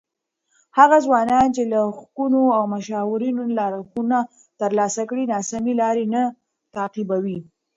هغه ځوانان چې له ښوونکو او مشاورینو لارښوونه ترلاسه کړي، ناسمې لارې نه تعقیبوي.